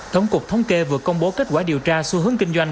thống cục thống kê vừa công bố kết quả điều tra xu hướng kinh doanh